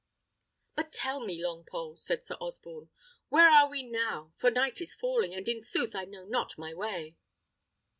"But tell me, Longpole," said Sir Osborne, "where are we now? for night is falling, and in sooth I know not my way."